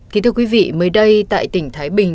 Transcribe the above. kính thưa quý vị mới đây tại tỉnh thái bình